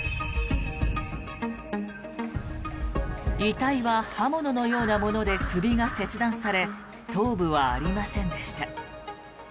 遺体は刃物のようなもので首が切断され頭部はありませんでした。